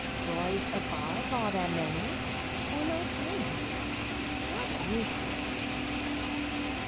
Joys above, Are there many, or not any? What is Love?